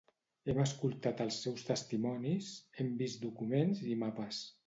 Hem escoltat els seus testimonis, hem vist documents i mapes.